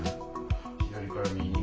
左から右に。